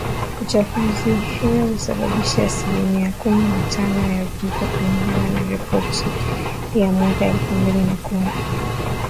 Uchafuzi hewa husababisha asilimia kumi na tano ya vifo kulingana na ripoti ya mwaka elfu mbili na kumi